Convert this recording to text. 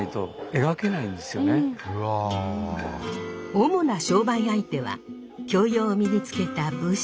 主な商売相手は教養を身につけた武士。